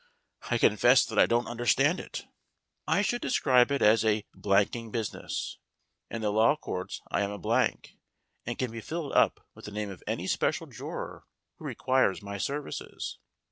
"I confess that I don't understand it." "I should describe it as a blanking business. In the law courts I am a blank, and can be filled up with the name of any special juror who requires my services.